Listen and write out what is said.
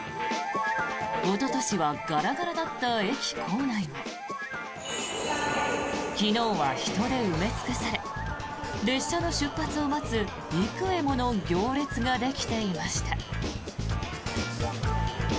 おととしはガラガラだった駅構内も昨日は人で埋め尽くされ列車の出発を待つ幾重もの行列ができていました。